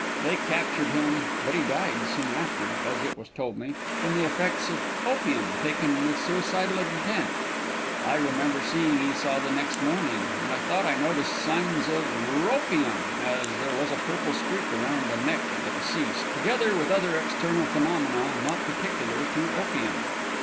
They captured him but he died soon after, as it was told me, from the effects of opium taken with suicidal intent. I remember seeing Esau the next morning, and I thought I noticed signs of ropium, as there was a purple streak around the neck of the deceased, together with other external phenomena not peculiar to opium.